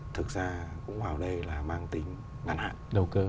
thực ra cũng vào đây là mang tính ngăn hạn